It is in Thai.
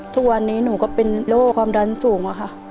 ทุกวันนี้หนูก็เป็นโรคความดันสูงอะค่ะ